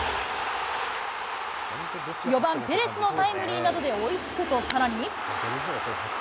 ４番ぺレスのタイムリーなどで追いつくと、さらに。